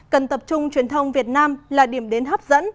cần tập trung truyền thông việt nam là điểm đến hấp dẫn